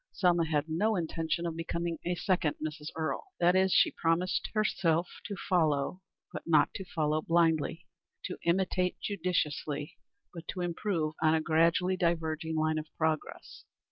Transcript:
Selma had no intention of becoming a second Mrs. Earle. That is, she promised herself to follow, but not to follow blindly; to imitate judiciously, but to improve on a gradually diverging line of progress.